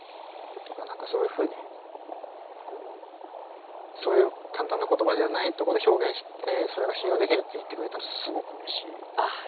だから何かそういうふうにそういう簡単な言葉じゃないとこで表現してそれが信用できるって言ってくれたのすごくうれしいです。